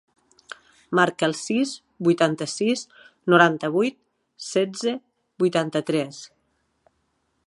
Marca el sis, vuitanta-sis, noranta-vuit, setze, vuitanta-tres.